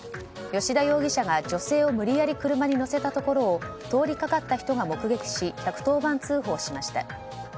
吉田容疑者が女性を車に無理やり乗せたところを通りかかった人が目撃し１１０番通報しました。